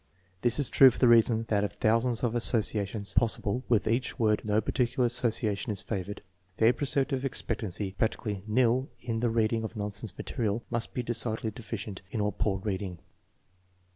This is true for the reason that out of thou sands of associations possible with each word, no particular association is favored. The apperceptive expectancy, prac " tically nil in the reading of nonsense material, must be decidedly deficient in all poor reading.